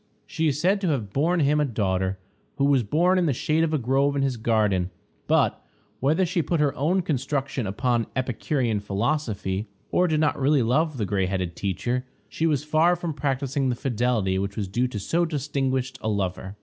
She is said to have borne him a daughter, who was born in the shade of a grove in his garden; but, whether she put her own construction upon the Epicurean philosophy, or did not really love the gray headed teacher, she was far from practicing the fidelity which was due to so distinguished a lover.